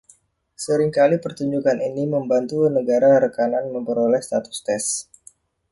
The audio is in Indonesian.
Seringkali pertunjukan ini membantu negara Rekanan memperoleh Status Tes.